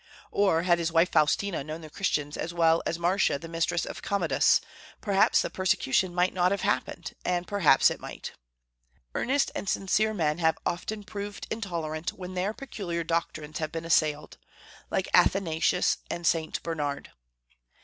Or, had his wife Faustina known the Christians as well as Marcia the mistress of Commodus, perhaps the persecution might not have happened, and perhaps it might. Earnest and sincere men have often proved intolerant when their peculiar doctrines have been assailed, like Athanasius and St. Bernard.